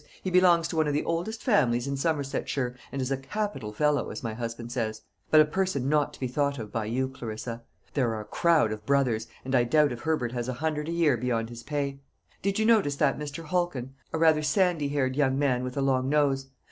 He belongs to one of the oldest families in Somersetshire, and is a capital fellow, as my husband says; but a person not to be thought of by you, Clarissa. There are a crowd of brothers, and I doubt if Herbert has a hundred a year beyond his pay. Did you notice that Mr. Halkin, a rather sandy haired young man with a long nose?